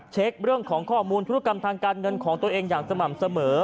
เช็คเรื่องของข้อมูลธุรกรรมทางการเงินของตัวเองอย่างสม่ำเสมอ